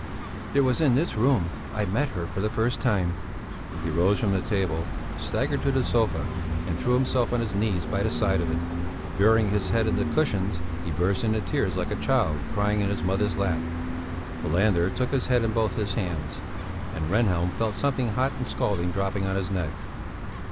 "It was in this room I met her for the first time." He rose from the table, staggered to the sofa, and threw himself on his knees by the side of it. Burying his head in the cushions, he burst into tears like a child crying in his mother's lap. Falander took his head in both his hands, and Rehnhjelm felt something hot and scalding dropping on his neck.